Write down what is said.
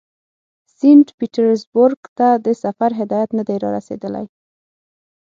سینټ پیټرزبورګ ته د سفر هدایت نه دی را رسېدلی.